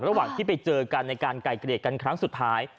ระหว่างที่ไปเจอกันในการไก่เกลียดกันครั้งสุดท้าย